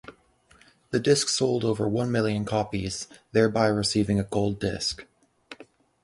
This disc sold over one million copies, thereby receiving a gold disc.